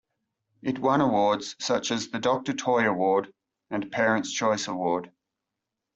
It won awards such as the Doctor Toy Award and Parents Choice Award.